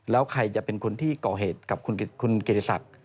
แล้วใครจะเป็นคนที่ก่อเหตุกับคุณเกียรติศักดิ์